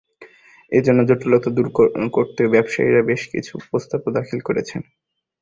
এ জন্য জটিলতা দূর করতে ব্যবসায়ীরা বেশ কিছু প্রস্তাবও দাখিল করেছেন।